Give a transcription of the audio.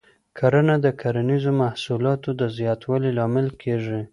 کرنه د کرنیزو محصولاتو د زیاتوالي لامل کېږي.